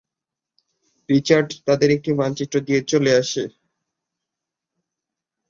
Richard তাদের একটি মানচিত্র দিয়ে চলে আসে।